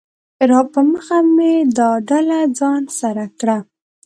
راپه مخه مې دا ډله ځان سره کړه